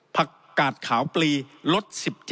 ผักกาดขาวปลีลด๑๗